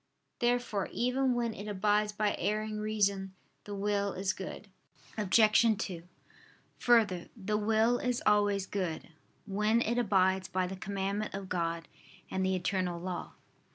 Therefore even when it abides by erring reason, the will is good. Obj. 2: Further, the will is always good, when it abides by the commandment of God and the eternal law.